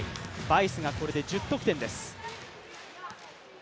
バイスがこれで１０得点です。